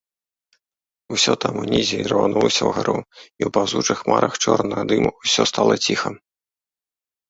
Усё там, унізе, ірванулася ўгару, і ў паўзучых хмарах чорнага дыму ўсё стала ціха.